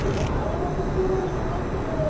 あれも心に残ってる。